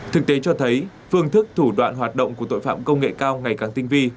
thực tế cho thấy phương thức thủ đoạn hoạt động của tội phạm công nghệ cao ngày càng tinh vi